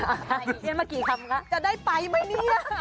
จะได้ไปมั้ยเนี่ย